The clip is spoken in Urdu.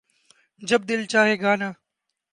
جب دل چاھے گانا